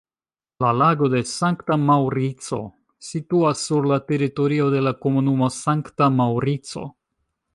La Lago de Sankta Maŭrico situas sur la teritorio de la komunumo Sankta Maŭrico.